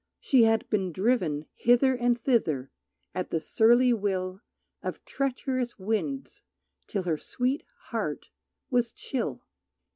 She had been driven Hither and thither at the surly will Of treacherous winds till her sweet heart was chill.